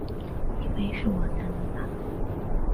因为是我才能达成